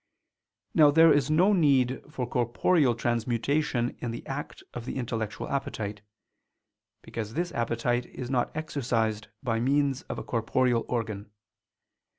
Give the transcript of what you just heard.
Now there is no need for corporeal transmutation in the act of the intellectual appetite: because this appetite is not exercised by means of a corporeal organ.